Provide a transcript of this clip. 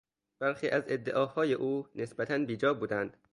برخی از ادعاهای او نسبتا بیجا بودند.